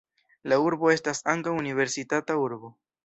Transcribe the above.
La urbo estas ankaŭ universitata urbo.